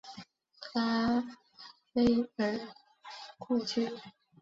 拉斐尔故居。